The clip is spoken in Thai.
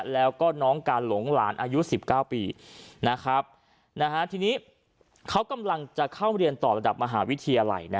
แล้วก็น้องการหลงหลานอายุ๑๙ปีทีนี้เขากำลังจะเข้าเรียนต่อระดับมหาวิทยาลัย